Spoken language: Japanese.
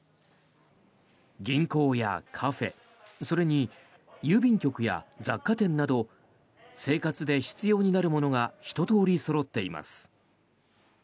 銀行やカフェそれに郵便局や雑貨店など生活で必要になるものがひととおりそろっています。